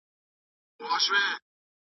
ځان سره د مهربانۍ پوره حق لرئ.